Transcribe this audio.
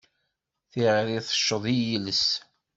Tiɣri tecceḍ i yiles.